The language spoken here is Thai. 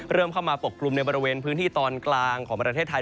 เริ่มเข้ามาปกกลุ่มในบริเวณพื้นที่ตอนกลางของประเทศไทย